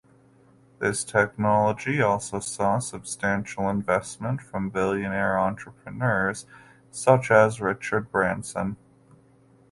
This technology also saw substantial investment from billionaire entrepreneurs such as Richard Branson.